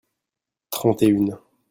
trente et une.